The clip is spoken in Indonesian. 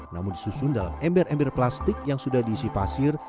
namun disusun dalam ember ember plastik yang sudah diisi pasir